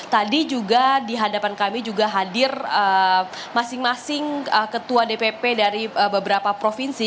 tadi juga di hadapan kami juga hadir masing masing ketua dpp dari beberapa provinsi